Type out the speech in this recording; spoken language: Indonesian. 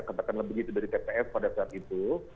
katakan lebih begitu dari tps pada saat itu